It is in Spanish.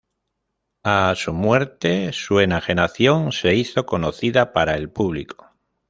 A su muerte, su enajenación se hizo conocida para el público.